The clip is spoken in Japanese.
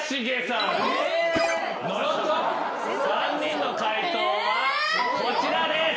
３人の解答はこちらです！